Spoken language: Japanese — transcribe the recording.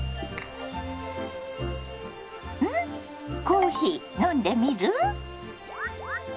コーヒー飲んでみる？